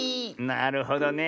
なるほどね。